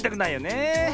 ねえ。